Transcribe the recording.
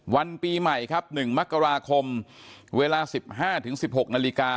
วันปีใหม่ครับ๑มกราคมเวลา๑๕๑๖นาฬิกา